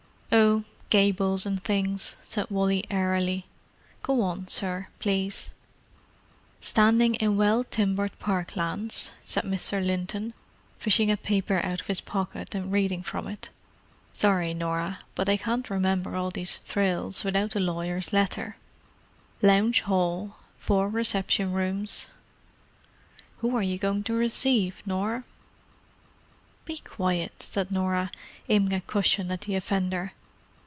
"Oh, gables and things," said Wally airily. "Go on, sir, please." "Standing in well timbered park lands," said Mr. Linton, fishing a paper out of his pocket, and reading from it. "Sorry, Norah, but I can't remember all these thrills without the lawyers' letter. Lounge hall, four reception rooms——" "Who are you going to receive, Nor?" "Be quiet," said Norah, aiming a cushion at the offender.